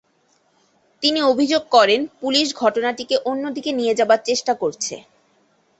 তিনি অভিযোগ করেন পুলিশ ঘটনাটিকে অন্যদিকে নিয়ে যাবার চেষ্টা করছে।